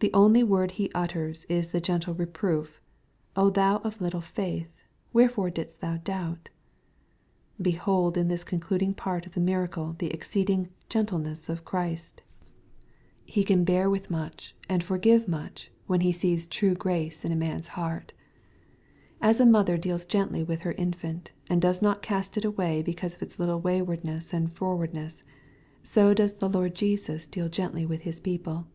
The only word He utters, is the gentle reproof, " thou of little faith, wherefore didst thou doubt ?" Behold in this concluding part of the miracle, the exceeding "gentleness of Christ !" He can bear with 170 EXPOSITORY THOUGHTS. much, and forgive mucli, when He sees true grace in a man's heart. As a mother deals gently with her infant, and does not cast it away because of its little wayward ness and frowardness, so does the Lord Jesus deal gently with His people.